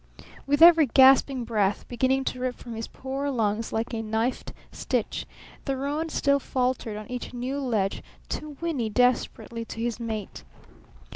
With every gasping breath beginning to rip from his poor lungs like a knifed stitch, the roan still faltered on each new ledge to whinny desperately to his mate.